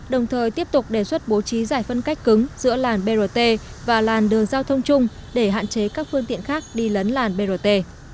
đồng thời tiếp tục đề xuất bố trí giải phân cách cứng giữa làn brt và làn đường giao thông chung để hạn chế các phương tiện khác đi lấn làn brt